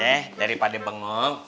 eh daripada bengong